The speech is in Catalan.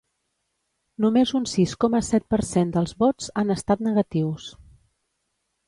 Només un sis coma set per cent dels vots han estat negatius.